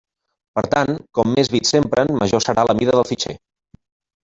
Per tant, com més bits s'empren major serà la mida del fitxer.